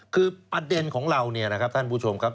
คือประเด็นของเราเนี่ยนะครับท่านผู้ชมครับ